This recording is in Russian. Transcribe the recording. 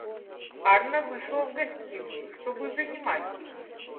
Анна вышла в гостиную, чтобы занимать их.